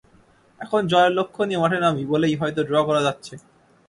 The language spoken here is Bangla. এখন জয়ের লক্ষ্য নিয়ে মাঠে নামি বলেই হয়তো ড্র করা যাচ্ছে।